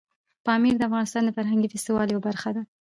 پامیر د افغانستان د فرهنګي فستیوالونو یوه برخه ده.